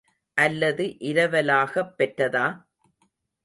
அல்லது இரவலாகப் பெற்றதா?